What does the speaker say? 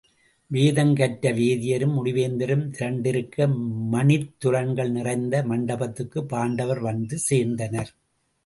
வேதம் கற்ற வேதியரும், முடிவேந்தரும் திரண்டுஇருக்க மணித்துரண்கள் நிறைந்த மண்டபத்துக்குப் பாண்டவர் வந்து சேர்ந்தனர்.